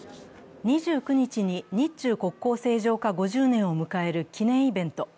２９日に日中国交正常化５０年を迎える記念イベント。